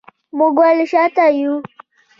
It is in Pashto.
موږ ولې شاته یو؟